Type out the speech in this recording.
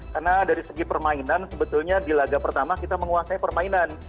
karena dari segi permainan sebetulnya di laga pertama kita menguasai permainan